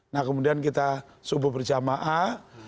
nah kemudian kita subuh berjamaah